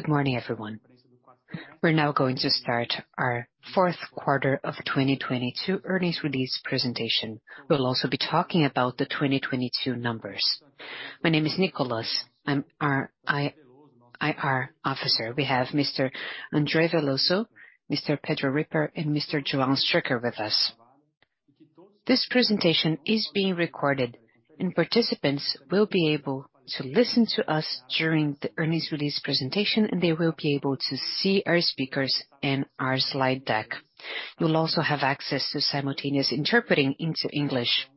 Good morning, everyone. We're now going to start our fourth quarter of 2022 earnings release presentation. We'll also be talking about the 2022 numbers. My name is Nicolas. I'm our IR officer. We have Mr. André Veloso, Mr. Pedro Ripper, and Mr. Nicholas Baines with us. This presentation is being recorded. Participants will be able to listen to us during the earnings release presentation, and they will be able to see our speakers and our slide deck. You'll also have access to simultaneous interpreting into English.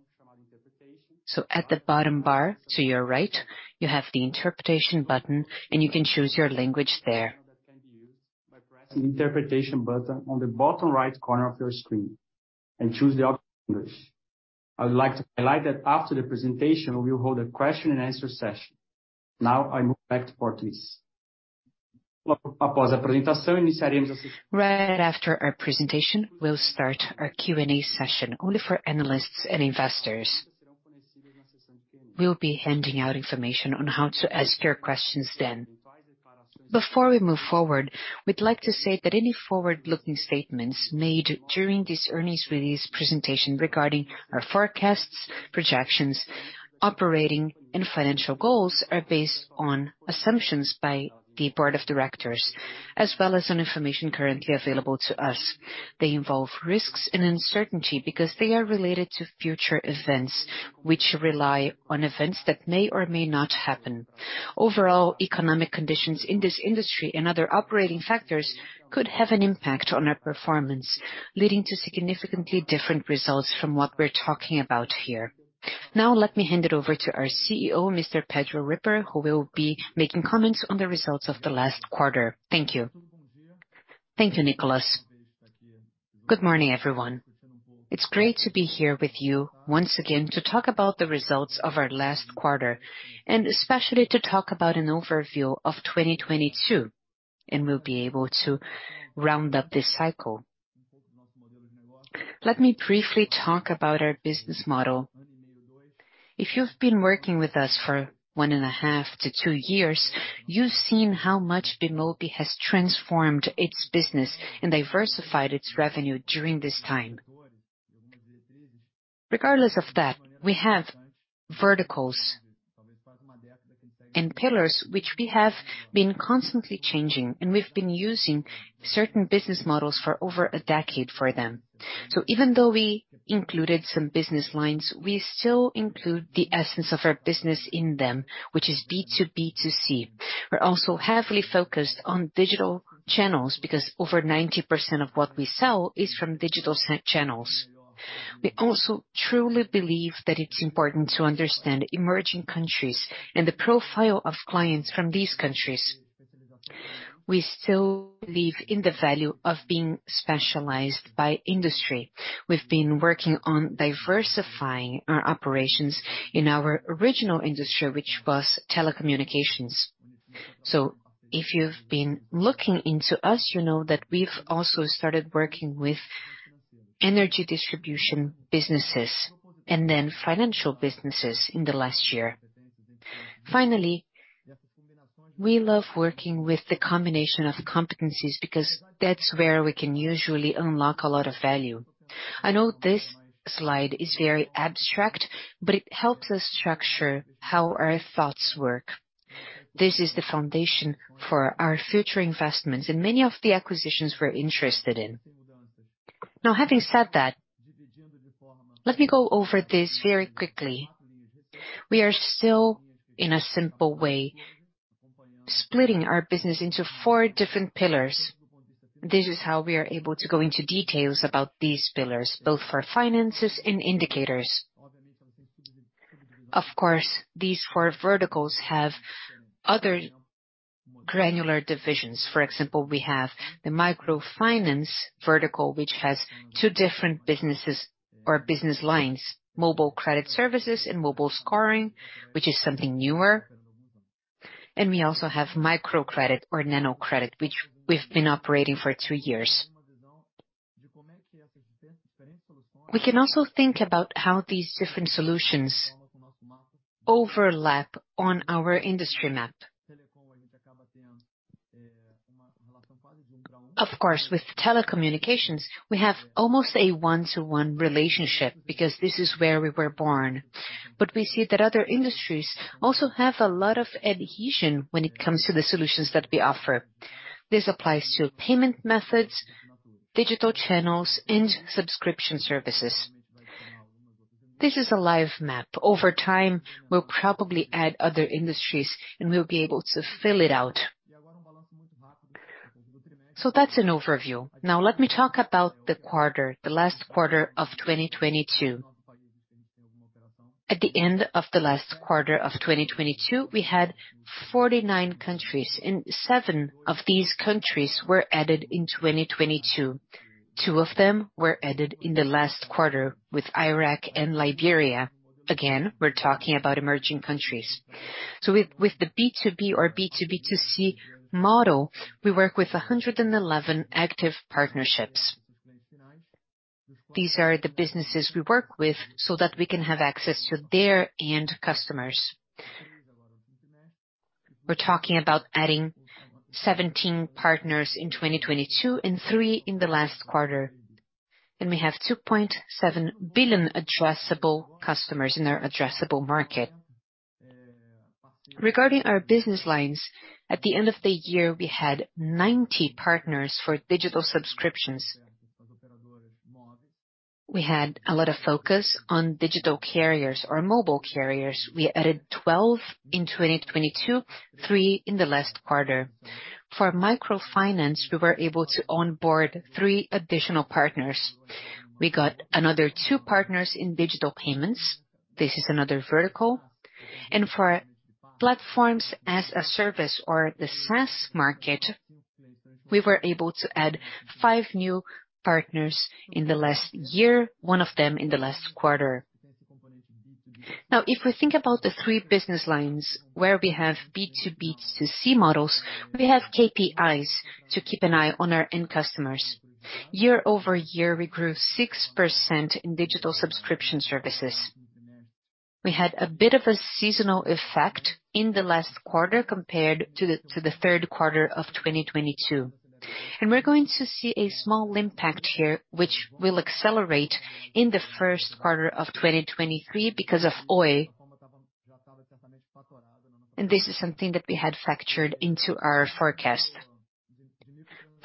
At the bottom bar to your right, you have the interpretation button, and you can choose your language there. The interpretation button on the bottom right corner of your screen and choose the option English. I would like to highlight that after the presentation, we will hold a question and answer session. Now I move back to Portuguese. Right after our presentation, we'll start our Q&A session, only for analysts and investors. We'll be handing out information on how to ask your questions then. Before we move forward, we'd like to say that any forward-looking statements made during this earnings release presentation regarding our forecasts, projections, operating and financial goals are based on assumptions by the board of directors, as well as on information currently available to us. They involve risks and uncertainty because they are related to future events, which rely on events that may or may not happen. Overall economic conditions in this industry and other operating factors could have an impact on our performance, leading to significantly different results from what we're talking about here. Let me hand it over to our CEO, Mr. Pedro Ripper, who will be making comments on the results of the last quarter. Thank you. Thank you, Nicolas. Good morning, everyone. It's great to be here with you once again to talk about the results of our last quarter, and especially to talk about an overview of 2022, and we'll be able to round up this cycle. Let me briefly talk about our business model. If you've been working with us for 1.5-2 years, you've seen how much Bemobi has transformed its business and diversified its revenue during this time. Regardless of that, we have verticals and pillars which we have been constantly changing, and we've been using certain business models for over a decade for them. Even though we included some business lines, we still include the essence of our business in them, which is B2B2C. We're also heavily focused on digital channels because over 90% of what we sell is from digital channels. We also truly believe that it's important to understand emerging countries and the profile of clients from these countries. We still believe in the value of being specialized by industry. We've been working on diversifying our operations in our original industry, which was telecommunications. If you've been looking into us, you know that we've also started working with energy distribution businesses and then financial businesses in the last year. We love working with the combination of competencies because that's where we can usually unlock a lot of value. I know this slide is very abstract, but it helps us structure how our thoughts work. This is the foundation for our future investments and many of the acquisitions we're interested in. Having said that, let me go over this very quickly. We are still, in a simple way, splitting our business into four different pillars. This is how we are able to go into details about these pillars, both for finances and indicators. Of course, these four verticals have other granular divisions. For example, we have the microfinance vertical, which has two different businesses or business lines: mobile credit services and mobile scoring, which is something newer. We also have microcredit or nanocredit, which we've been operating for two years. We can also think about how these different solutions overlap on our industry map. Of course, with telecommunications, we have almost a one-to-one relationship because this is where we were born. We see that other industries also have a lot of adhesion when it comes to the solutions that we offer. This applies to payment methods, digital channels, and subscription services. This is a live map. Over time, we'll probably add other industries, and we'll be able to fill it out. That's an overview. Let me talk about the quarter, the last quarter of 2022. At the end of the last quarter of 2022, we had 49 countries, seven of these countries were added in 2022. Two of them were added in the last quarter with Iraq and Liberia. Again, we're talking about emerging countries. With the B2B or B2B2C model, we work with 111 active partnerships. These are the businesses we work with so that we can have access to their end customers. We're talking about adding 17 partners in 2022 and three in the last quarter. We have 2.7 billion addressable customers in our addressable market. Regarding our business lines, at the end of the year, we had 90 partners for digital subscriptions. We had a lot of focus on digital carriers or mobile carriers. We added 12 in 2022, three in the last quarter. For microfinance, we were able to onboard three additional partners. We got another two partners in digital payments. This is another vertical. For platforms as a service or the SaaS market, we were able to add five new partners in the last year, 1 of them in the last quarter. Now, if we think about the three business lines where we have B2B, B2C models, we have KPIs to keep an eye on our end customers. Year-over-year, we grew 6% in digital subscription services. We had a bit of a seasonal effect in the last quarter compared to the third quarter of 2022. We're going to see a small impact here, which will accelerate in the first quarter of 2023 because of Oi. This is something that we had factored into our forecast.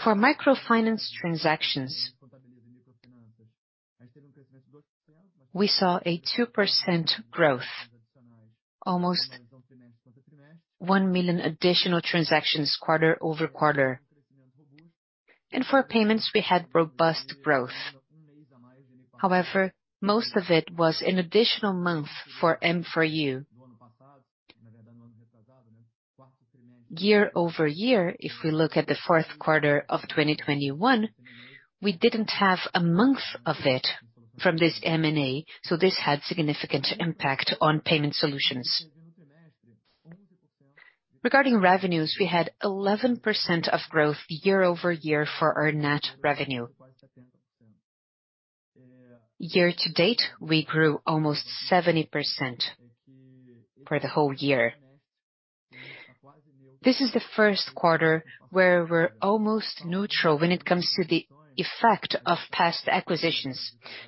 For microfinance transactions, we saw a 2% growth, almost 1 million additional transactions quarter-over-quarter. For payments we had robust growth. However, most of it was an additional month for M4U. Year-over-year, if we look at the Q4 of 2021, we didn't have a month of it from this M&A, so this had significant impact on payment solutions. Regarding revenues, we had 11% of growth year-over-year for our net revenue. Year-to-date, we grew almost 70% for the whole year. This is the first quarter where we're almost neutral when it comes to the effect of past acquisitions.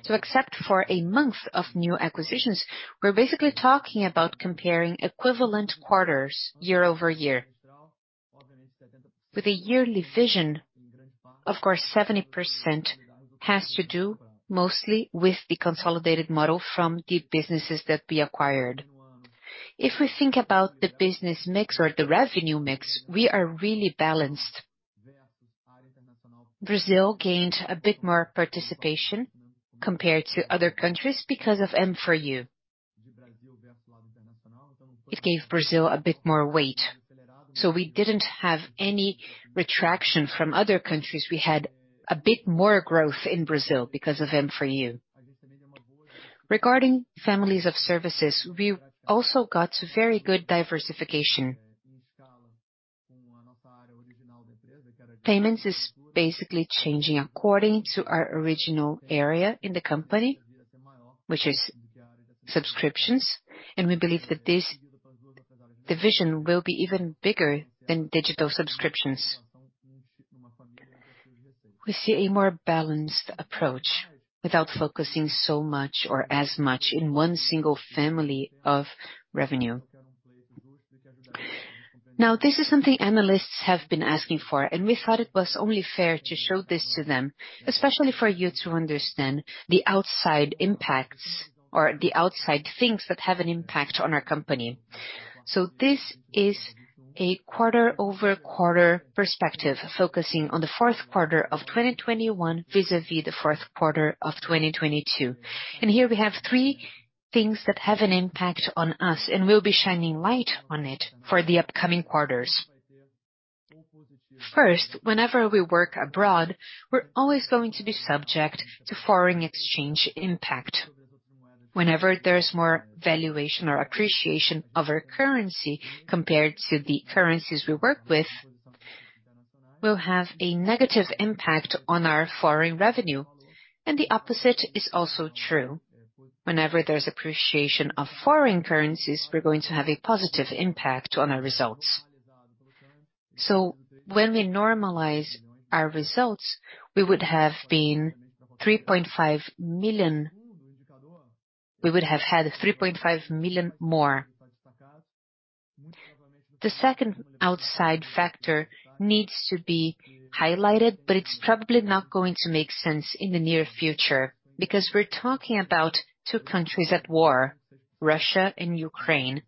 Except for a month of new acquisitions, we're basically talking about comparing equivalent quarters year-over-year. With a yearly vision, of course, 70% has to do mostly with the consolidated model from the businesses that we acquired. If we think about the business mix or the revenue mix, we are really balanced. Brazil gained a bit more participation compared to other countries because of M4U. It gave Brazil a bit more weight. We didn't have any retraction from other countries. We had a bit more growth in Brazil because of M4U. Regarding families of services, we also got very good diversification. Payments is basically changing according to our original area in the company, which is subscriptions, and we believe that this division will be even bigger than digital subscriptions. We see a more balanced approach without focusing so much or as much in one single family of revenue. This is something analysts have been asking for, and we thought it was only fair to show this to them, especially for you to understand the outside impacts or the outside things that have an impact on our company. This is a quarter-over-quarter perspective, focusing on the fourth quarter of 2021, vis-à-vis the fourth quarter of 2022. Here we have three things that have an impact on us, and we'll be shining light on it for the upcoming quarters. First, whenever we work abroad, we're always going to be subject to foreign exchange impact. Whenever there's more valuation or appreciation of our currency compared to the currencies we work with, we'll have a negative impact on our foreign revenue. The opposite is also true. Whenever there's appreciation of foreign currencies, we're going to have a positive impact on our results. When we normalize our results, we would have had 3.5 million more. The second outside factor needs to be highlighted, but it's probably not going to make sense in the near future because we're talking about two countries at war, Russia and Ukraine.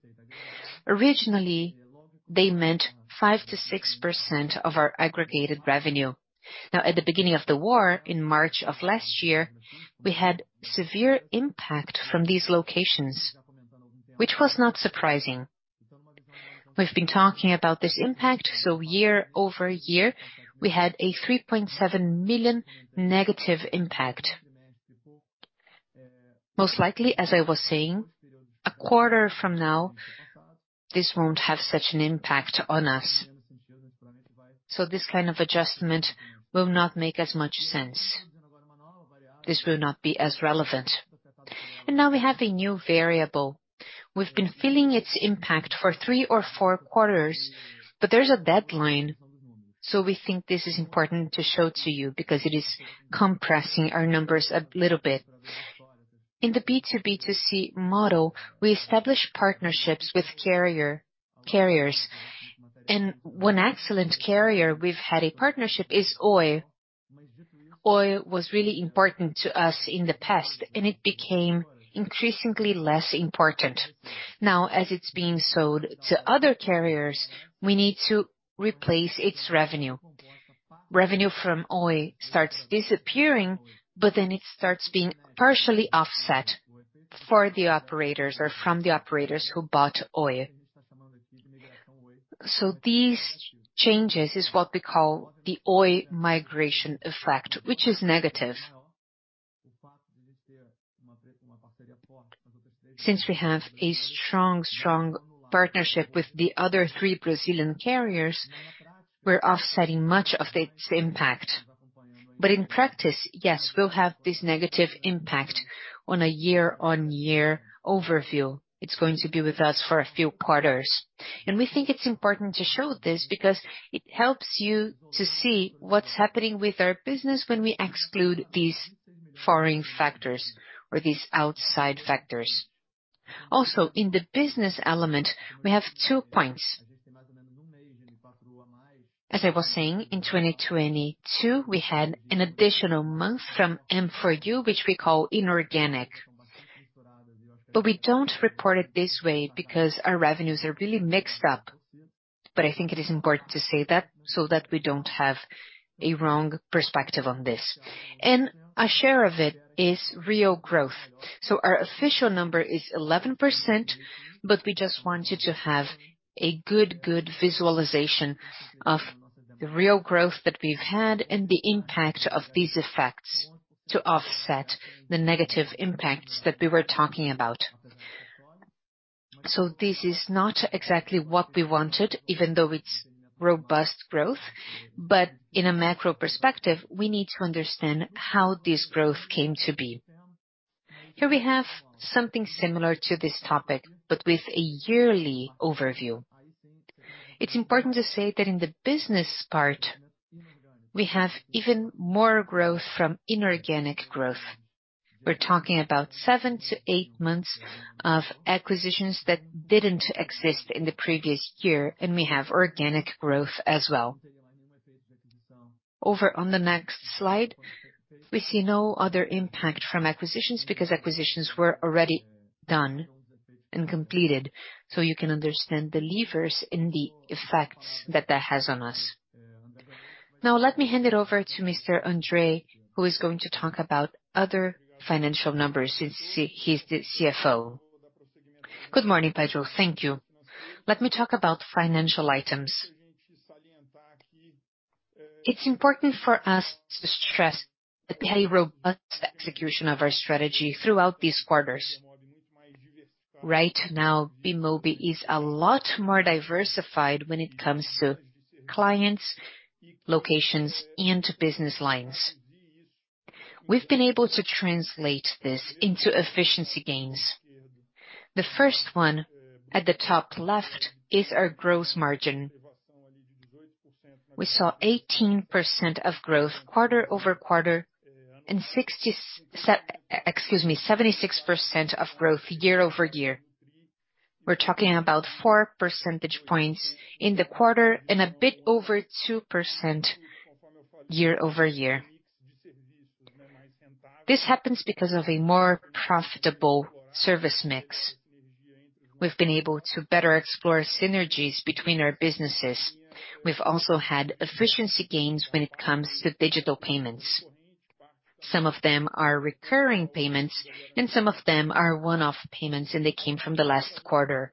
Originally, they meant 5%-6% of our aggregated revenue. At the beginning of the war in March of last year, we had severe impact from these locations, which was not surprising. We've been talking about this impact. Year-over-year, we had a 3.7 million negative impact. Most likely, as I was saying, a quarter from now, this won't have such an impact on us. This kind of adjustment will not make as much sense. This will not be as relevant. Now we have a new variable. We've been feeling its impact for three or four quarters. There's a deadline. We think this is important to show to you because it is compressing our numbers a little bit. In the B2B2C model, we establish partnerships with carriers. One excellent carrier we've had a partnership is Oi. Oi was really important to us in the past. It became increasingly less important. Now, as it's being sold to other carriers, we need to replace its revenue. Revenue from Oi starts disappearing. It starts being partially offset for the operators or from the operators who bought Oi. These changes is what we call the Oi migration effect, which is negative. Since we have a strong partnership with the other three Brazilian carriers, we're offsetting much of its impact. In practice, yes, we'll have this negative impact on a year-on-year overview. It's going to be with us for a few quarters. We think it's important to show this because it helps you to see what's happening with our business when we exclude these foreign factors or these outside factors. Also, in the business element, we have two points. As I was saying, in 2022, we had an additional month from M4U, which we call inorganic. We don't report it this way because our revenues are really mixed up. I think it is important to say that so that we don't have a wrong perspective on this. A share of it is real growth. Our official number is 11%, but we just want you to have a good visualization of the real growth that we've had and the impact of these effects to offset the negative impacts that we were talking about. This is not exactly what we wanted, even though it's robust growth. In a macro perspective, we need to understand how this growth came to be. Here we have something similar to this topic, but with a yearly overview. It's important to say that in the business part, we have even more growth from inorganic growth. We're talking about seven to eight months of acquisitions that didn't exist in the previous year, and we have organic growth as well. Over on the next slide, we see no other impact from acquisitions because acquisitions were already done and completed. You can understand the levers and the effects that has on us. Now let me hand it over to Mr. André, who is going to talk about other financial numbers since he's the CFO. Good morning, Pedro. Thank you. Let me talk about financial items. It's important for us to stress that we had a robust execution of our strategy throughout these quarters. Right now, Bemobi is a lot more diversified when it comes to clients, locations, and business lines. We've been able to translate this into efficiency gains. The first one at the top left is our gross margin. We saw 18% of growth quarter-over-quarter and excuse me, 76% of growth year-over-year. We're talking about 4 percentage points in the quarter and a bit over 2% year-over-year. This happens because of a more profitable service mix. We've been able to better explore synergies between our businesses. We've also had efficiency gains when it comes to digital payments. Some of them are recurring payments, and some of them are one-off payments, and they came from the last quarter.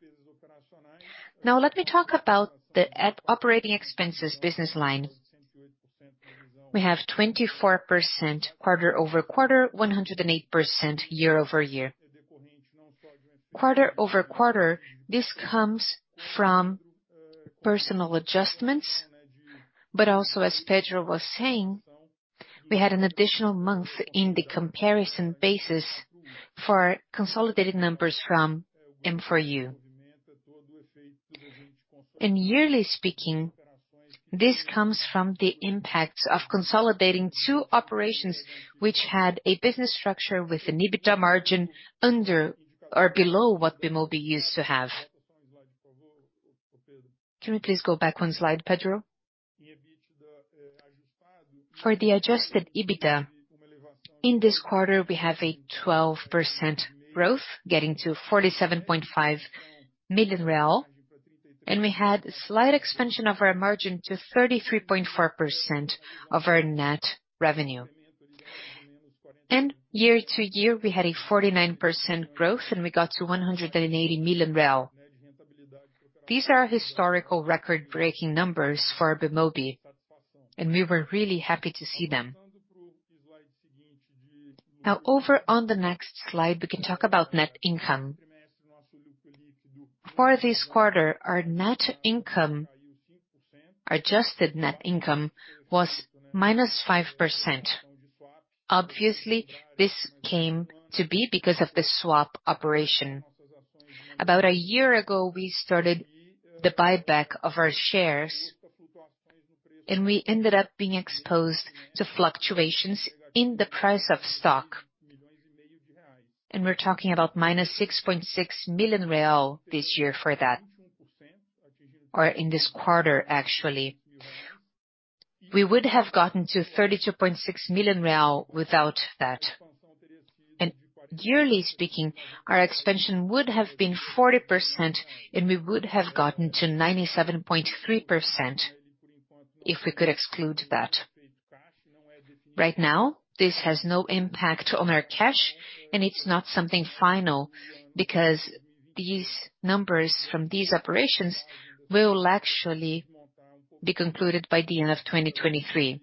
Let me talk about the operating expenses business line. We have 24% quarter-over-quarter, 108% year-over-year. Quarter-over-quarter, this comes from personal adjustments, also, as Pedro was saying, we had an additional month in the comparison basis for consolidated numbers from M4U. Yearly speaking, this comes from the impact of consolidating two operations, which had a business structure with an EBITDA margin under or below what Bemobi used to have. Can we please go back one slide, Pedro? For the Adjusted EBITDA, in this quarter, we have a 12% growth, getting to 47.5 million real, we had slight expansion of our margin to 33.4% of our net revenue. Year-to-year, we had a 49% growth, we got to 180 million real. These are historical record-breaking numbers for Bemobi. We were really happy to see them. Now over on the next slide, we can talk about net income. For this quarter, our adjusted net income was -5%. Obviously, this came to be because of the swap operation. About a year ago, we started the buyback of our shares. We ended up being exposed to fluctuations in the price of stock. We're talking about -6.6 million real this year for that, or in this quarter, actually. We would have gotten to 32.6 million real without that. Yearly speaking, our expansion would have been 40%, and we would have gotten to 97.3% if we could exclude that. Right now, this has no impact on our cash, and it's not something final because these numbers from these operations will actually be concluded by the end of 2023.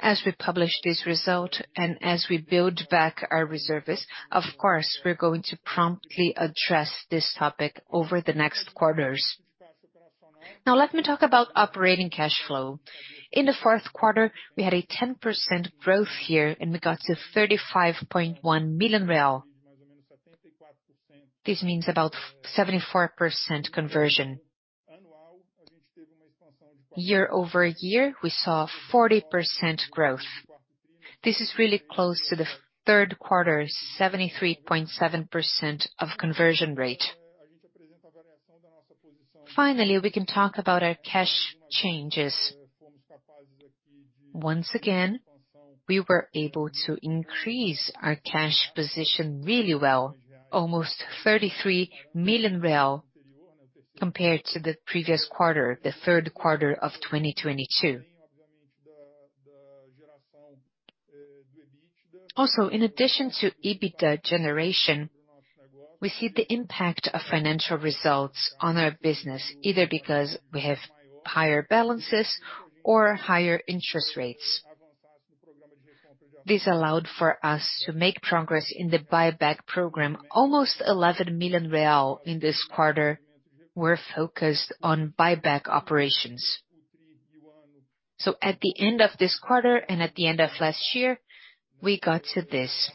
As we publish this result and as we build back our reserves, of course, we're going to promptly address this topic over the next quarters. Let me talk about operating cash flow. In the fourth quarter, we had a 10% growth here, and we got to 35.1 million real. This means about 74% conversion. Year-over-year, we saw 40% growth. This is really close to the third quarter, 73.7% of conversion rate. Finally, we can talk about our cash changes. Once again, we were able to increase our cash position really well, almost 33 million real compared to the previous quarter, the third quarter of 2022. In addition to EBITDA generation, we see the impact of financial results on our business, either because we have higher balances or higher interest rates. This allowed for us to make progress in the buyback program. Almost 11 million real in this quarter were focused on buyback operations. At the end of this quarter and at the end of last year, we got to this.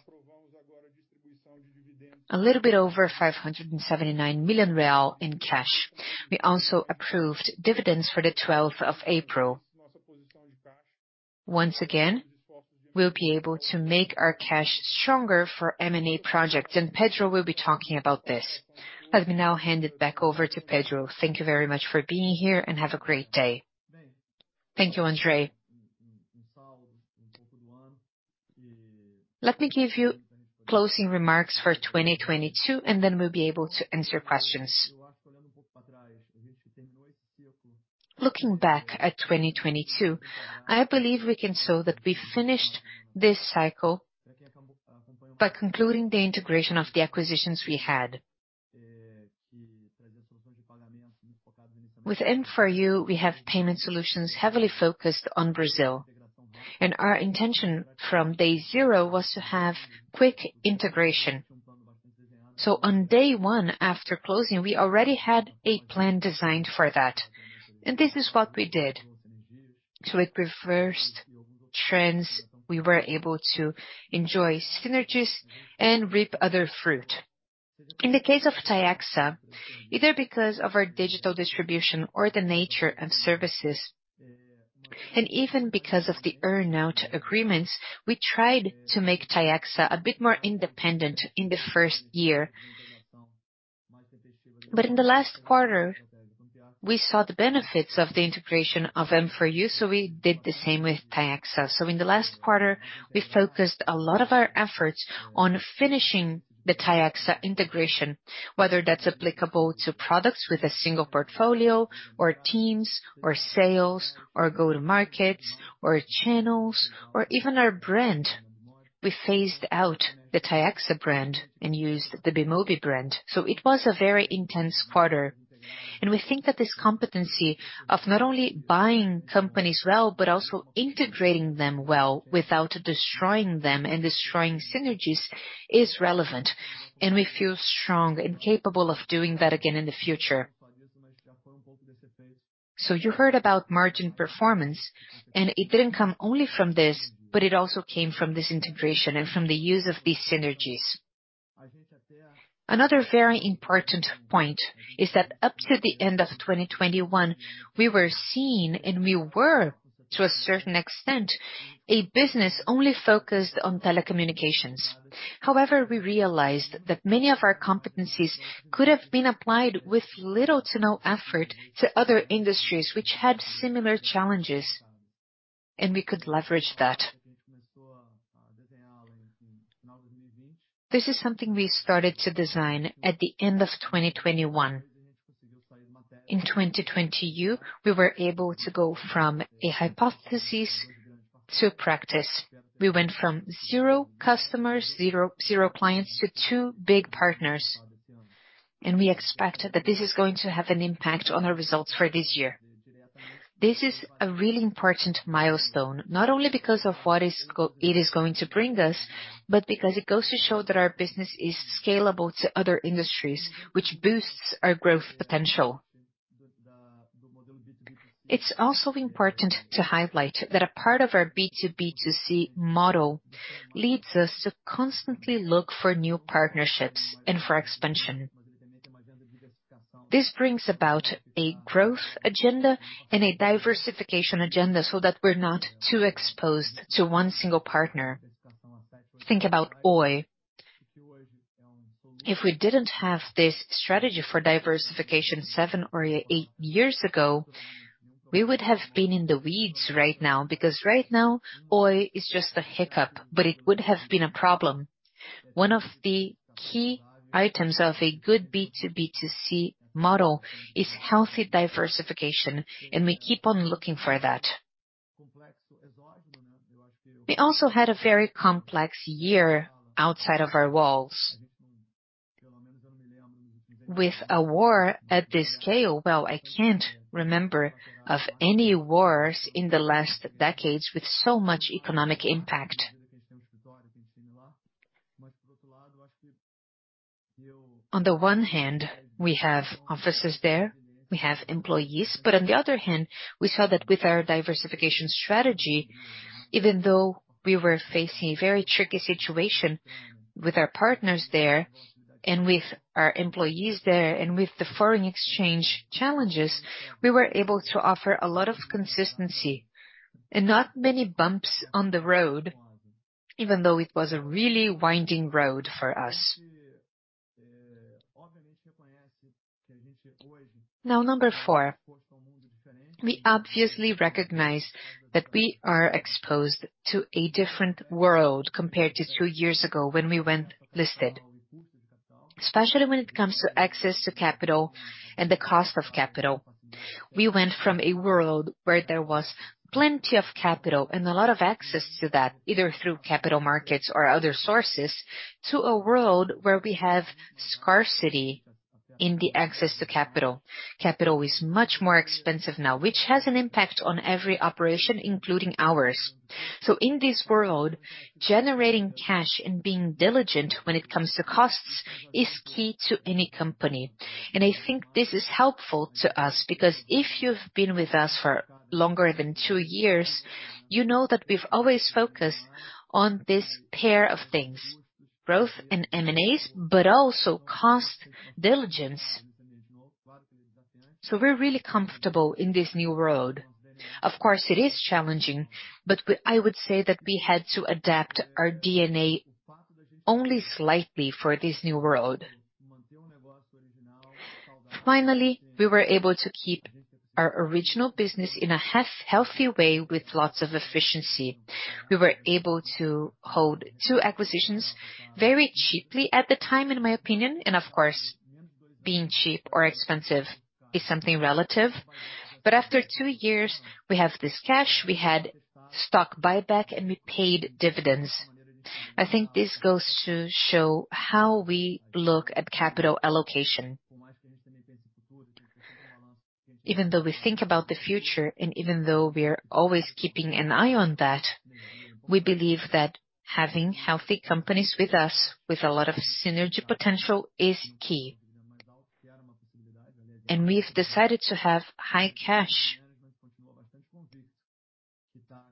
A little bit over 579 million real in cash. We also approved dividends for the 12th of April. Once again, we'll be able to make our cash stronger for M&A projects, and Pedro will be talking about this. Let me now hand it back over to Pedro. Thank you very much for being here, and have a great day. Thank you, André. Let me give you closing remarks for 2022, and then we'll be able to answer questions. Looking back at 2022, I believe we can show that we finished this cycle by concluding the integration of the acquisitions we had. With M4U, we have payment solutions heavily focused on Brazil, our intention from day zero was to have quick integration. On day one after closing, we already had a plan designed for that, this is what we did. With reversed trends, we were able to enjoy synergies and reap other fruit. In the case of Tiaxa, either because of our digital distribution or the nature of services, even because of the earn-out agreements, we tried to make Tiaxa a bit more independent in the first year. In the last quarter, we saw the benefits of the integration of M4U, we did the same with Tiaxa. In the last quarter, we focused a lot of our efforts on finishing the Tiaxa integration, whether that's applicable to products with a single portfolio or teams or sales or go-to-markets or channels or even our brand. We phased out the Tiaxa brand and used the Bemobi brand. It was a very intense quarter. We think that this competency of not only buying companies well, but also integrating them well without destroying them and destroying synergies is relevant, and we feel strong and capable of doing that again in the future. You heard about margin performance, and it didn't come only from this, but it also came from this integration and from the use of these synergies. Another very important point is that up to the end of 2021, we were seen and we were, to a certain extent, a business only focused on telecommunications. We realized that many of our competencies could have been applied with little to no effort to other industries which had similar challenges, and we could leverage that. This is something we started to design at the end of 2021. In 2022, we were able to go from a hypothesis to practice. We went from zero customers, zero clients to two big partners, and we expect that this is going to have an impact on our results for this year. This is a really important milestone, not only because of what it is going to bring us, but because it goes to show that our business is scalable to other industries, which boosts our growth potential. It's also important to highlight that a part of our B2B2C model leads us to constantly look for new partnerships and for expansion. This brings about a growth agenda and a diversification agenda so that we're not too exposed to one single partner. Think about Oi. If we didn't have this strategy for diversification seven or eight years ago, we would have been in the weeds right now, because right now, Oi is just a hiccup, but it would have been a problem. One of the key items of a good B2B2C model is healthy diversification, and we keep on looking for that. We also had a very complex year outside of our walls. With a war at this scale, well, I can't remember of any wars in the last decades with so much economic impact. On the one hand, we have offices there, we have employees. On the other hand, we saw that with our diversification strategy, even though we were facing a very tricky situation with our partners there and with our employees there and with the foreign exchange challenges, we were able to offer a lot of consistency and not many bumps on the road, even though it was a really winding road for us. Number four. We obviously recognize that we are exposed to a different world compared to two years ago when we went listed, especially when it comes to access to capital and the cost of capital. We went from a world where there was plenty of capital and a lot of access to that, either through capital markets or other sources, to a world where we have scarcity in the access to capital. Capital is much more expensive now, which has an impact on every operation, including ours. In this world, generating cash and being diligent when it comes to costs is key to any company. I think this is helpful to us because if you've been with us for longer than two years, you know that we've always focused on this pair of things, growth and M&As, but also cost diligence. We're really comfortable in this new world. Of course, it is challenging, but I would say that we had to adapt our DNA only slightly for this new world. Finally, we were able to keep our original business in a healthy way with lots of efficiency. We were able to hold two acquisitions very cheaply at the time, in my opinion, and of course, being cheap or expensive is something relative. After two years, we have this cash, we had stock buyback, and we paid dividends. I think this goes to show how we look at capital allocation. Even though we think about the future, and even though we're always keeping an eye on that, we believe that having healthy companies with us with a lot of synergy potential is key. We've decided to have high cash.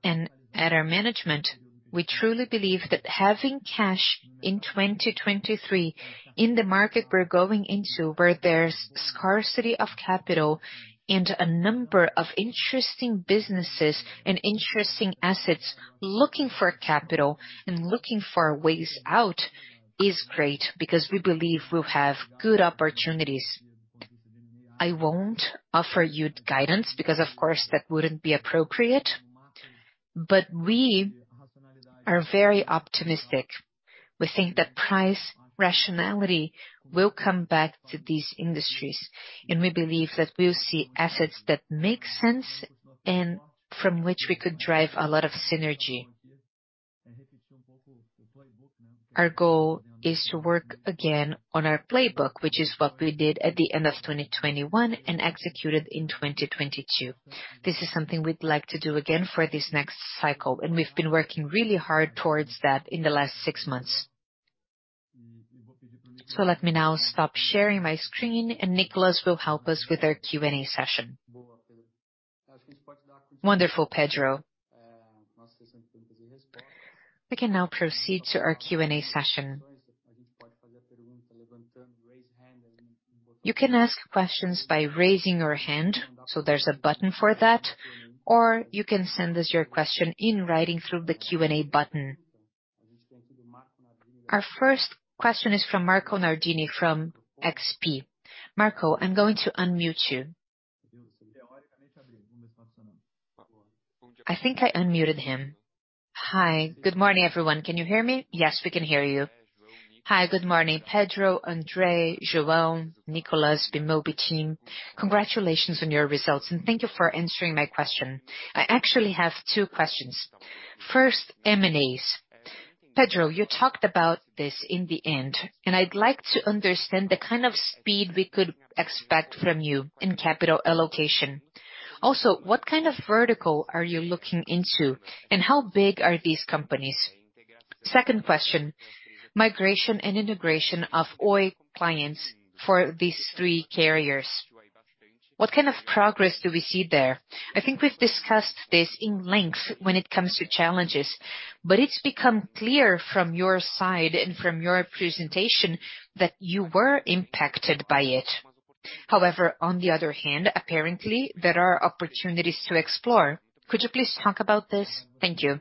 At our management, we truly believe that having cash in 2023 in the market we're going into, where there's scarcity of capital and a number of interesting businesses and interesting assets looking for capital and looking for ways out, is great because we believe we'll have good opportunities. I won't offer you guidance because, of course, that wouldn't be appropriate. We are very optimistic. We think that price rationality will come back to these industries, and we believe that we'll see assets that make sense and from which we could drive a lot of synergy. Our goal is to work again on our playbook, which is what we did at the end of 2021 and executed in 2022. This is something we'd like to do again for this next cycle, and we've been working really hard towards that in the last six months. Let me now stop sharing my screen, and Nicholas will help us with our Q&A session. Wonderful, Pedro. We can now proceed to our Q&A session. You can ask questions by raising your hand, so there's a button for that. You can send us your question in writing through the Q&A button. Our first question is from Marco Nardini from XP. Marco, I'm going to unmute you. I think I unmuted him. Hi, good morning, everyone. Can you hear me? Yes, we can hear you. Hi, good morning, Pedro, André, João, Nicolas, Bemobi team. Congratulations on your results, and thank you for answering my question. I actually have two questions. First, M&A. Pedro you talked about this in the end, and I'd like to understand the kind of speed we could expect from you in capital allocation. Also, what kind of vertical are you looking into, and how big are these companies? Second question, migration and integration of Oi clients for these three carriers. What kind of progress do we see there? I think we've discussed this in length when it comes to challenges, but it's become clear from your side and from your presentation that you were impacted by it. However, on the other hand, apparently, there are opportunities to explore. Could you please talk about this? Thank you.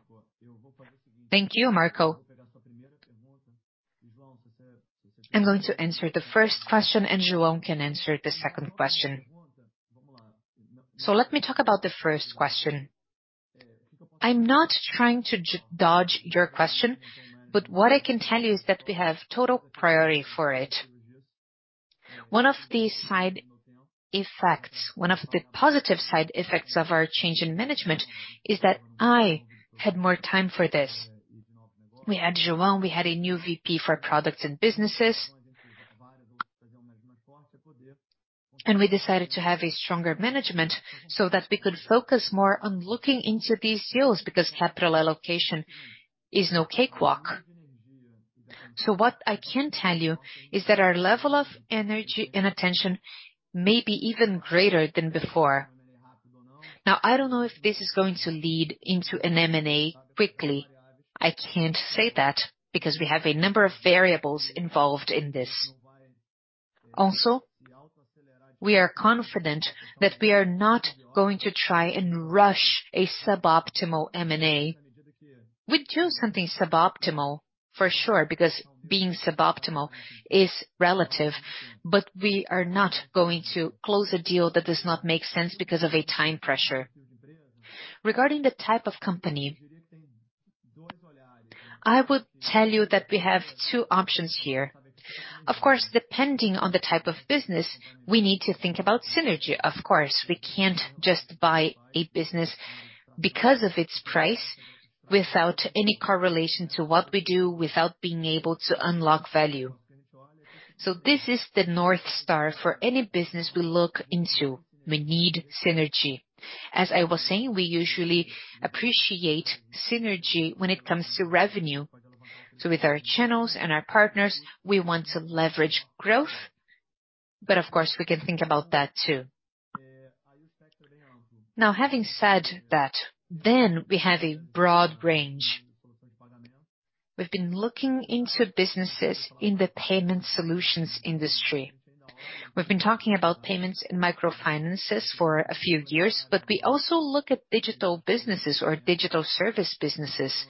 Thank you, Marco. I'm going to answer the first question, and João can answer the second question. Let me talk about the first question. I'm not trying to dodge your question, but what I can tell you is that we have total priority for it. One of the positive side effects of our change in management is that I had more time for this. We had João, we had a new VP for products and businesses. We decided to have a stronger management so that we could focus more on looking into these deals, because capital allocation is no cakewalk. What I can tell you is that our level of energy and attention may be even greater than before. Now, I don't know if this is going to lead into an M&A quickly. I can't say that, because we have a number of variables involved in this. We are confident that we are not going to try and rush a suboptimal M&A. We'd choose something suboptimal for sure, because being suboptimal is relative, but we are not going to close a deal that does not make sense because of a time pressure. Regarding the type of company, I would tell you that we have two options here. Of course, depending on the type of business, we need to think about synergy, of course. We can't just buy a business because of its price without any correlation to what we do, without being able to unlock value. This is the North Star for any business we look into. We need synergy. As I was saying, we usually appreciate synergy when it comes to revenue. With our channels and our partners, we want to leverage growth. Of course, we can think about that too. Having said that, we have a broad range. We've been looking into businesses in the payment solutions industry. We've been talking about payments and microfinances for a few years, but we also look at digital businesses or digital service businesses,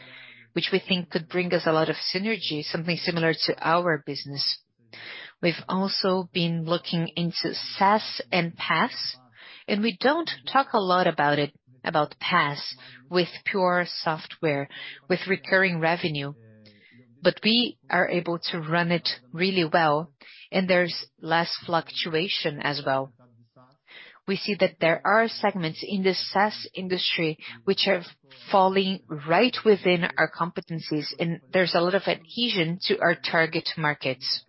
which we think could bring us a lot of synergy, something similar to our business. We've also been looking into SaaS and PaaS, and we don't talk a lot about it, about PaaS, with pure software, with recurring revenue, but we are able to run it really well, and there's less fluctuation as well. We see that there are segments in the SaaS industry which are falling right within our competencies, and there's a lot of adhesion to our target markets.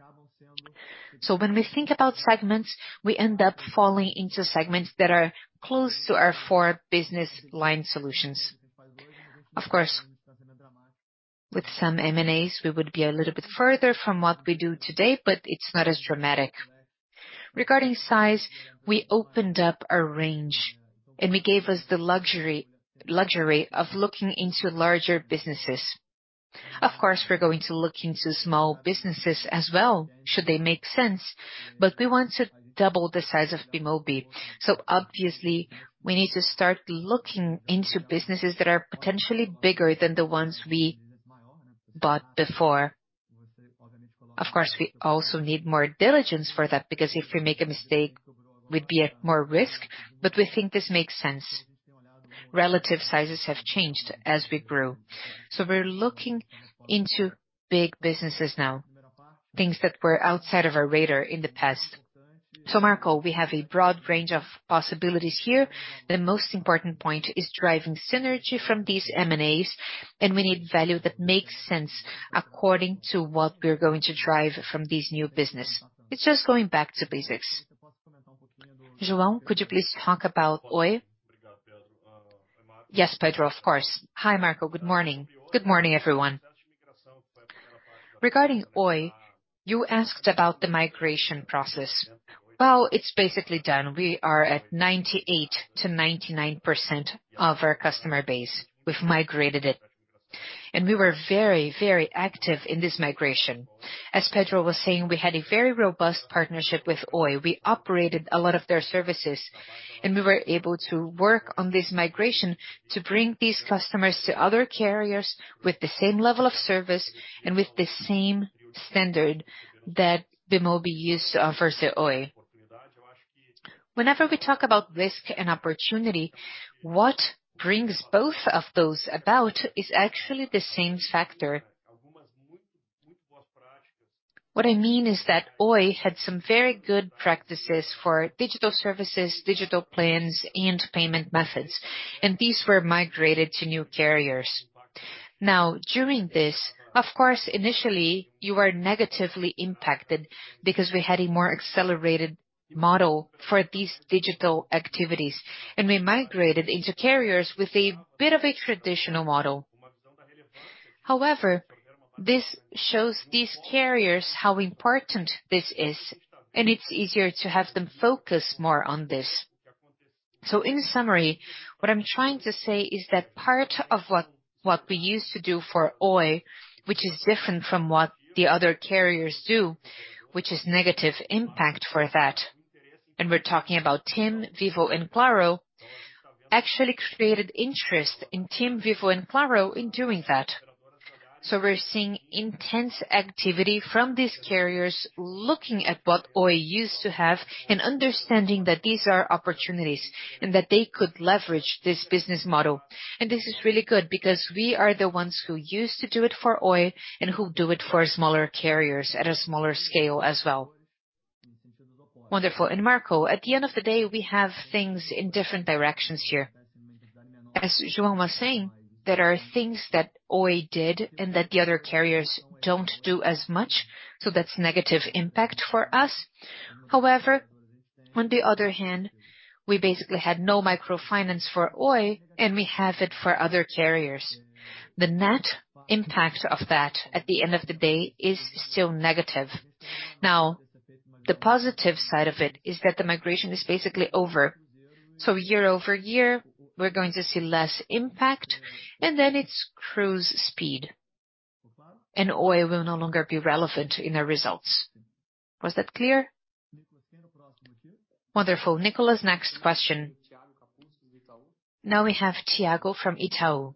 When we think about segments, we end up falling into segments that are close to our four business line solutions. With some M&As, we would be a little bit further from what we do today, but it's not as dramatic. Regarding size, we opened up a range and we gave us the luxury of looking into larger businesses. We're going to look into small businesses as well, should they make sense, but we want to double the size of Bemobi. Obviously we need to start looking into businesses that are potentially bigger than the ones we bought before. We also need more diligence for that, because if we make a mistake, we'd be at more risk. We think this makes sense. Relative sizes have changed as we grew. We're looking into big businesses now, things that were outside of our radar in the past. Marco, we have a broad range of possibilities here. The most important point is driving synergy from these M&As, and we need value that makes sense according to what we're going to drive from this new business. It's just going back to basics. João, could you please talk about Oi? Yes, Pedro, of course. Hi, Marco. Good morning. Good morning, everyone. Regarding Oi, you asked about the migration process. Well, it's basically done. We are at 98%-99% of our customer base. We've migrated it. We were very active in this migration. As Pedro was saying, we had a very robust partnership with Oi. We operated a lot of their services, and we were able to work on this migration to bring these customers to other carriers with the same level of service and with the same standard that Bemobi used to offer to Oi. Whenever we talk about risk and opportunity, what brings both of those about is actually the same factor. What I mean is that Oi had some very good practices for digital services, digital plans and payment methods. These were migrated to new carriers. Now, during this, of course, initially, you are negatively impacted because we had a more accelerated model for these digital activities. We migrated into carriers with a bit of a traditional model. However, this shows these carriers how important this is, and it's easier to have them focus more on this. In summary, what I'm trying to say is that part of what we used to do for Oi, which is different from what the other carriers do, which is negative impact for that. We're talking about TIM, Vivo and Claro, actually created interest in TIM, Vivo and Claro in doing that. We're seeing intense activity from these carriers looking at what Oi used to have and understanding that these are opportunities and that they could leverage this business model. This is really good because we are the ones who used to do it for Oi and who do it for smaller carriers at a smaller scale as well. Wonderful. Marco, at the end of the day, we have things in different directions here. As João was saying, there are things that Oi did and that the other carriers don't do as much, so that's negative impact for us. However, on the other hand, we basically had no microfinance for Oi, and we have it for other carriers. The net impact of that at the end of the day is still negative. The positive side of it is that the migration is basically over. Year-over-year, we're going to see less impact, and then it's cruise speed. Oi will no longer be relevant in our results. Was that clear? Wonderful. Nicholas, next question. We have Tiago from Itaú.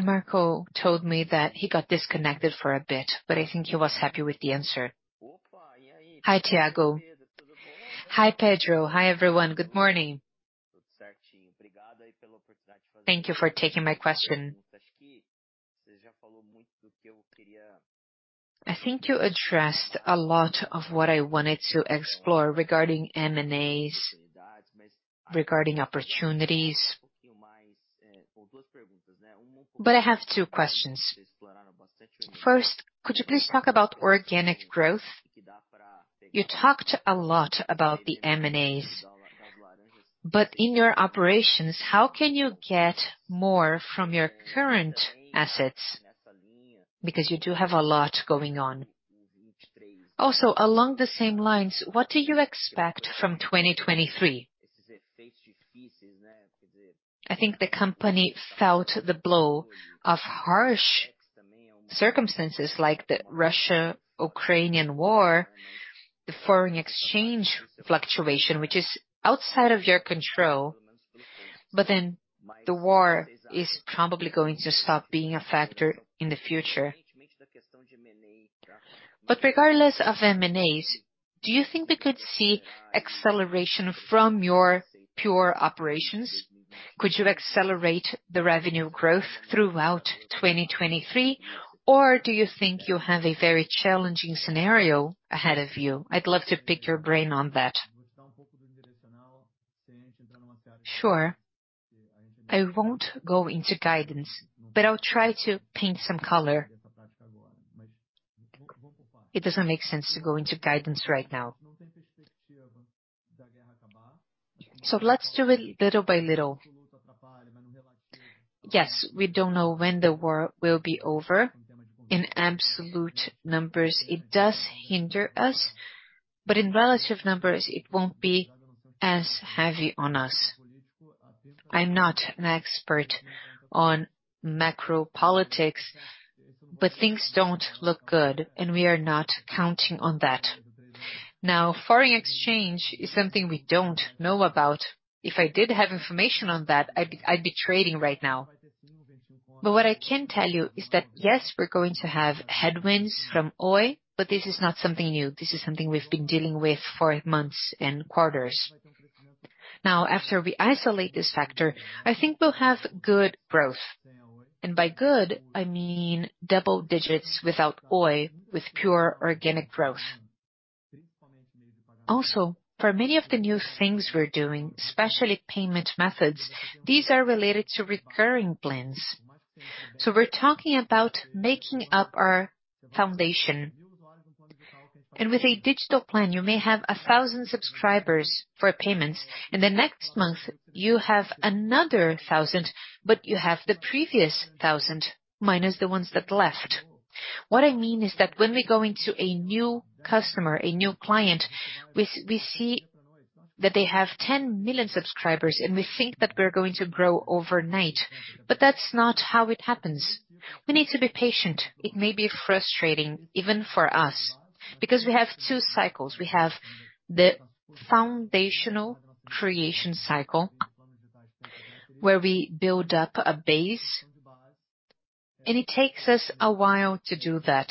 Marco told me that he got disconnected for a bit, but I think he was happy with the answer. Hi, Tiago. Hi, Pedro. Hi, everyone. Good morning. Thank you for taking my question. I think you addressed a lot of what I wanted to explore regarding M&As, regarding opportunities. I have two questions. First, could you please talk about organic growth? You talked a lot about the M&As, but in your operations, how can you get more from your current assets? You do have a lot going on. Along the same lines, what do you expect from 2023? I think the company felt the blow of harsh circumstances like the Russia-Ukrainian war, the foreign exchange fluctuation, which is outside of your control. The war is probably going to stop being a factor in the future. Regardless of M&As, do you think we could see acceleration from your pure operations? Could you accelerate the revenue growth throughout 2023, or do you think you have a very challenging scenario ahead of you? I'd love to pick your brain on that. Sure. I won't go into guidance, but I'll try to paint some color. It doesn't make sense to go into guidance right now. Let's do it little by little. Yes. We don't know when the war will be over. In absolute numbers, it does hinder us, but in relative numbers, it won't be as heavy on us. I'm not an expert on macro politics, but things don't look good, and we are not counting on that. Now, foreign exchange is something we don't know about. If I did have information on that, I'd be trading right now. What I can tell you is that, yes, we're going to have headwinds from Oi, but this is not something new. This is something we've been dealing with for months and quarters. After we isolate this factor, I think we'll have good growth. By good, I mean double digits without Oi, with pure organic growth. Also, for many of the new things we're doing, especially payment methods, these are related to recurring plans. We're talking about making up our foundation. With a digital plan, you may have 1,000 subscribers for payments, and the next month you have another 1,000, but you have the previous 1,000 minus the ones that left. What I mean is that when we go into a new customer, a new client, we see that they have 10 million subscribers, and we think that we're going to grow overnight. That's not how it happens. We need to be patient. It may be frustrating even for us because we have two cycles. We have the foundational creation cycle, where we build up a base, and it takes us a while to do that.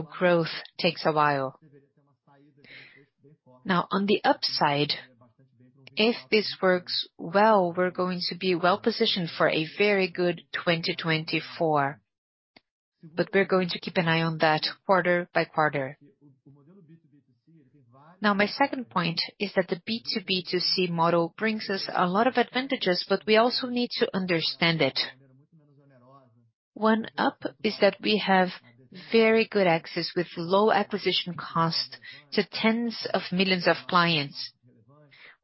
Growth takes a while. If this works well, we're going to be well-positioned for a very good 2024. We're going to keep an eye on that quarter by quarter. My second point is that the B2B2C model brings us a lot of advantages, but we also need to understand it. One up is that we have very good access with low acquisition cost to tens of millions of clients.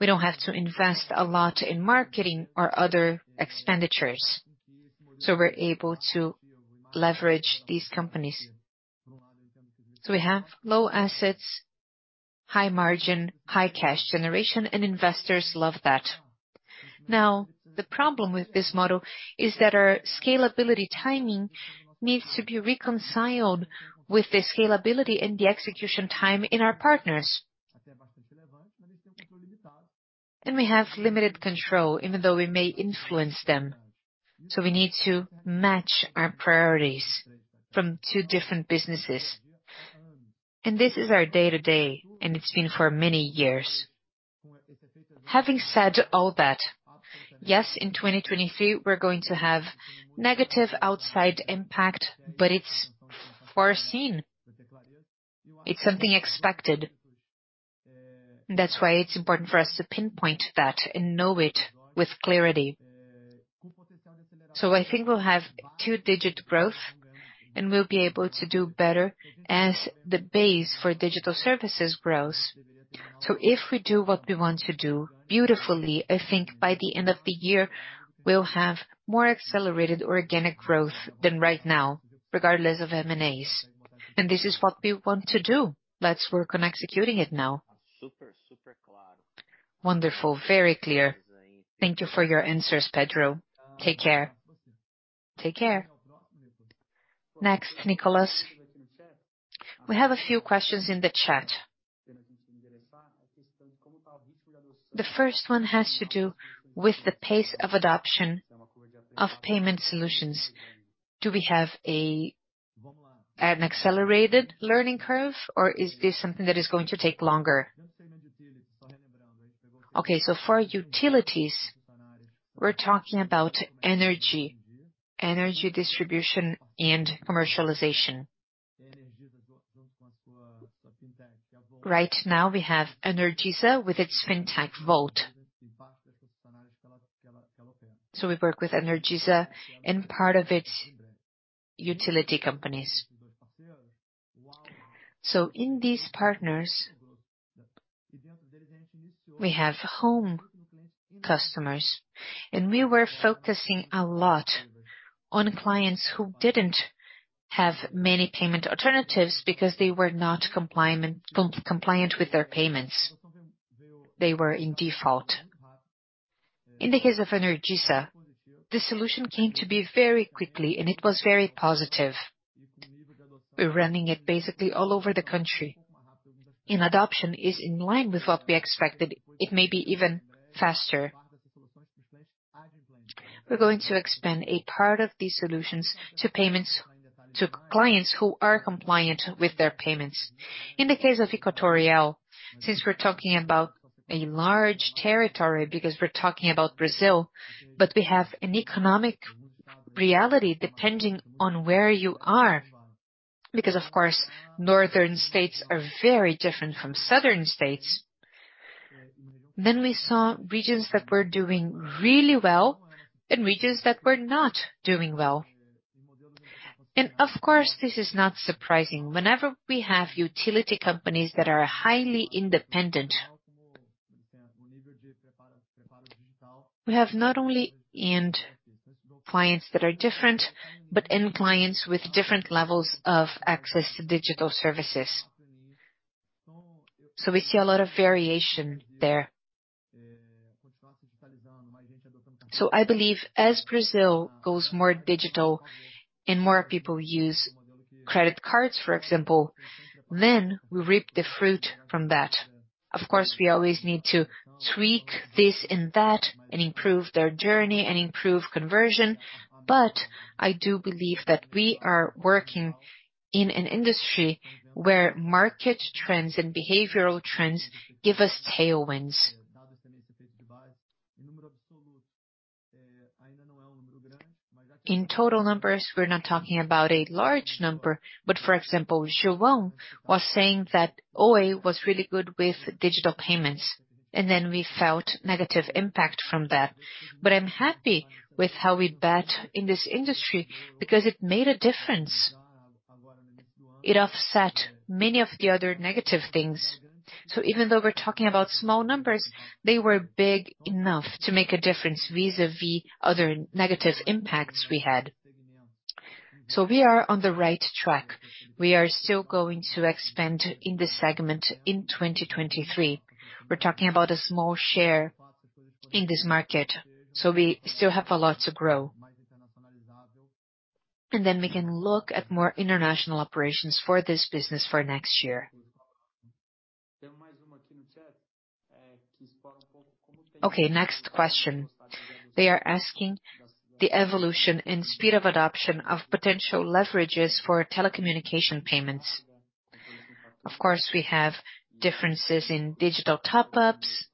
We don't have to invest a lot in marketing or other expenditures, so we're able to leverage these companies. We have low assets, high margin, high cash generation, and investors love that. The problem with this model is that our scalability timing needs to be reconciled with the scalability and the execution time in our partners. We have limited control, even though we may influence them. We need to match our priorities from two different businesses. This is our day to day, and it's been for many years. Having said all that, yes, in 2023, we're going to have negative outside impact, but it's foreseen. It's something expected. That's why it's important for us to pinpoint that and know it with clarity. I think we'll have two digit growth and we'll be able to do better as the base for digital services grows. If we do what we want to do beautifully, I think by the end of the year, we'll have more accelerated organic growth than right now, regardless of M&As. This is what we want to do. Let's work on executing it now. Wonderful. Very clear. Thank you for your answers, Pedro. Take care. Take care. Next, Nicholas. We have a few questions in the chat. The first one has to do with the pace of adoption of payment solutions. Do we have an accelerated learning curve, or is this something that is going to take longer? For utilities, we're talking about energy distribution, and commercialization. Right now we have Energisa with its Fintech Voltz. We work with Energisa and part of its utility companies. In these partners, we have home customers, and we were focusing a lot on clients who didn't have many payment alternatives because they were not compliant with their payments. They were in default. In the case of Energisa, the solution came to be very quickly. It was very positive. We're running it basically all over the country. Adoption is in line with what we expected. It may be even faster. We're going to expand a part of these solutions to payments to clients who are compliant with their payments. In the case of Equatorial, since we're talking about a large territory, because we're talking about Brazil. We have an economic reality depending on where you are. Of course, northern states are very different from southern states. We saw regions that were doing really well and regions that were not doing well. Of course, this is not surprising. Whenever we have utility companies that are highly independent, we have not only end clients that are different, but end clients with different levels of access to digital services. We see a lot of variation there. I believe as Brazil goes more digital and more people use credit cards, for example, then we reap the fruit from that. Of course, we always need to tweak this and that and improve their journey and improve conversion. I do believe that we are working in an industry where market trends and behavioral trends give us tailwinds. In total numbers, we're not talking about a large number, but for example, João was saying that Oi was really good with digital payments, and then we felt negative impact from that. I'm happy with how we bet in this industry because it made a difference. It offset many of the other negative things. Even though we're talking about small numbers, they were big enough to make a difference vis-à-vis other negative impacts we had. We are on the right track. We are still going to expand in this segment in 2023. We're talking about a small share in this market, we still have a lot to grow. We can look at more international operations for this business for next year. Okay, next question. They are asking the evolution and speed of adoption of potential leverages for telecommunication payments. Of course, we have differences in digital top-ups,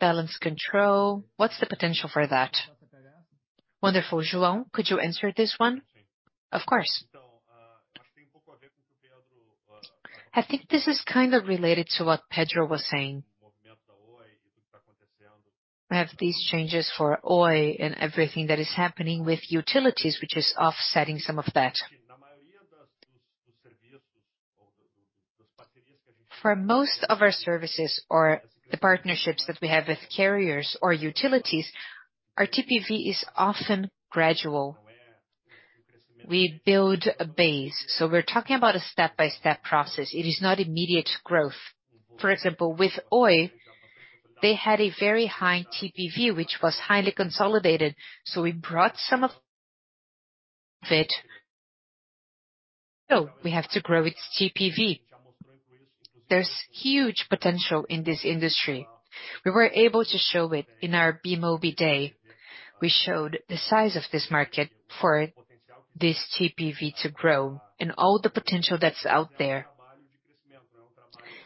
balance control. What's the potential for that? Wonderful. Nicholas, could you answer this one? Of course. I think this is kind of related to what Pedro was saying. We have these changes for Oi and everything that is happening with utilities, which is offsetting some of that. For most of our services or the partnerships that we have with carriers or utilities, our TPV is often gradual. We build a base. We're talking about a step-by-step process. It is not immediate growth. For example, with Oi, they had a very high TPV, which was highly consolidated. We brought some of it. We have to grow its TPV. There's huge potential in this industry. We were able to show it in our Bemobi day. We showed the size of this market for this TPV to grow and all the potential that's out there.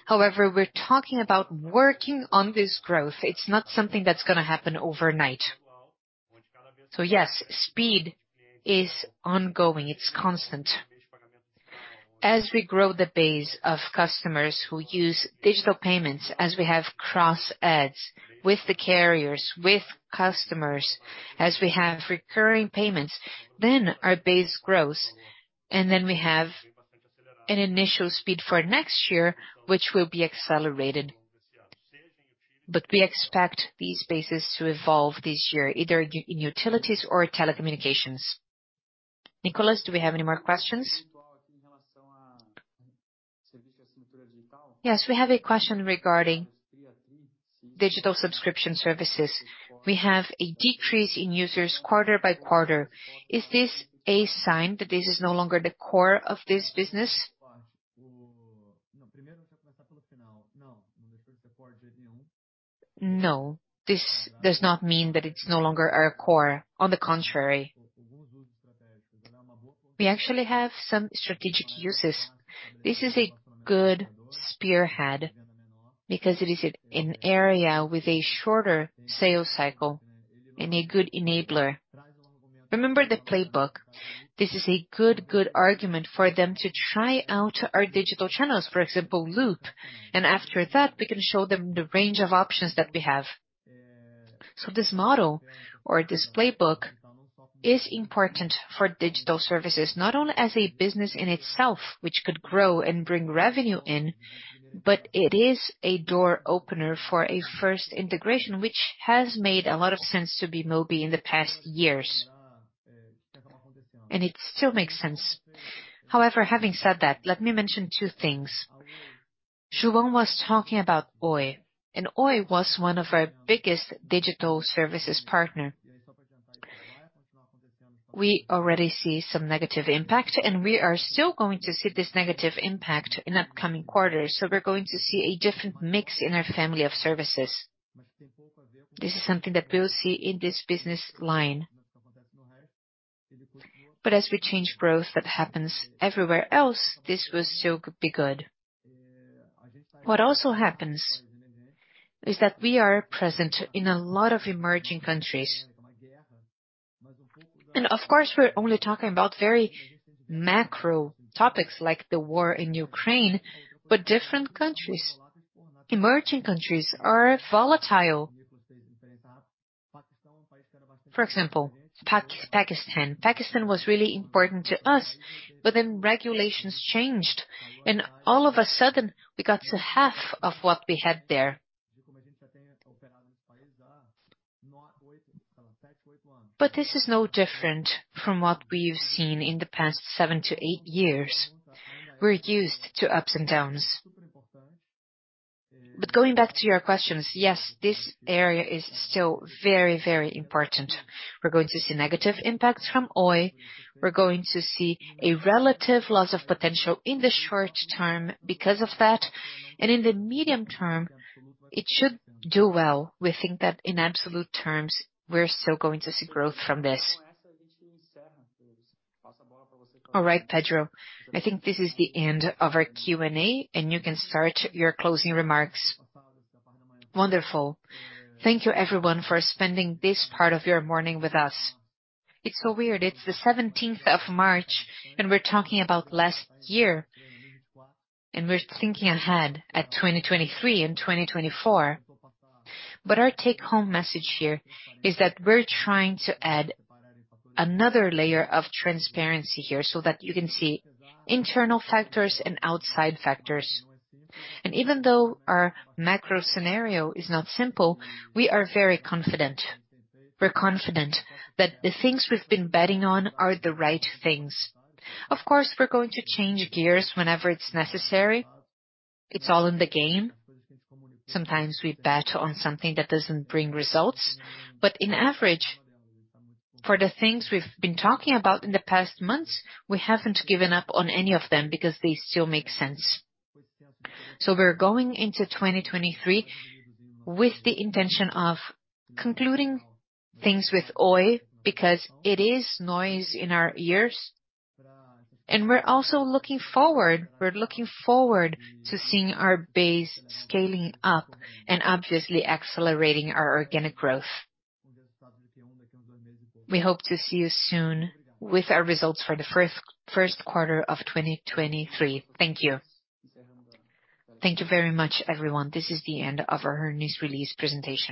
However, we're talking about working on this growth. It's not something that's gonna happen overnight. Yes, speed is ongoing, it's constant. As we grow the base of customers who use digital payments, as we have cross ads with the carriers, with customers, as we have recurring payments, then our base grows, and then we have an initial speed for next year, which will be accelerated. We expect these spaces to evolve this year, either in utilities or telecommunications. Nicolas, do we have any more questions? Yes, we have a question regarding digital subscription services. We have a decrease in users quarter by quarter. Is this a sign that this is no longer the core of this business? No. This does not mean that it's no longer our core. On the contrary, we actually have some strategic uses. This is a good spearhead because it is an area with a shorter sales cycle and a good enabler. Remember the playbook. This is a good argument for them to try out our digital channels, for example, Loop. After that, we can show them the range of options that we have. This model or this playbook is important for digital services, not only as a business in itself, which could grow and bring revenue in, but it is a door opener for a first integration, which has made a lot of sense to Bemobi in the past years. It still makes sense. However, having said that, let me mention two things. João was talking about Oi, and Oi was one of our biggest digital services partner. We already see some negative impact, and we are still going to see this negative impact in upcoming quarters. We're going to see a different mix in our family of services. This is something that we'll see in this business line. As we change growth, that happens everywhere else, this will still be good. What also happens is that we are present in a lot of emerging countries. Of course, we're only talking about very macro topics like the war in Ukraine. Different countries, emerging countries are volatile. For example, Pakistan. Pakistan was really important to us. Regulations changed, and all of a sudden, we got to half of what we had there. This is no different from what we've seen in the past seven to eight years. We're used to ups and downs. Going back to your questions, yes, this area is still very, very important. We're going to see negative impacts from Oi. We're going to see a relative loss of potential in the short term because of that. In the medium term, it should do well. We think that in absolute terms, we're still going to see growth from this. Pedro, I think this is the end of our Q&A. You can start your closing remarks. Wonderful. Thank you everyone for spending this part of your morning with us. It's so weird. It's the 17th of March. We're talking about last year, and we're thinking ahead at 2023 and 2024. Our take-home message here is that we're trying to add another layer of transparency here so that you can see internal factors and outside factors. Even though our macro scenario is not simple, we are very confident. We're confident that the things we've been betting on are the right things. Of course, we're going to change gears whenever it's necessary. It's all in the game. Sometimes we bet on something that doesn't bring results. In average, for the things we've been talking about in the past months, we haven't given up on any of them because they still make sense. We're going into 2023 with the intention of concluding things with Oi because it is noise in our ears. We're also looking forward to seeing our base scaling up and obviously accelerating our organic growth. We hope to see you soon with our results for the first quarter of 2023. Thank you. Thank you very much, everyone. This is the end of our news release presentation.